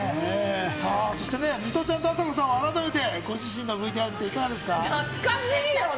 さあ、そしてね、水卜ちゃんとあさこさんは改めてご自身のＶＴＲ見て、いかがです懐かしいよね。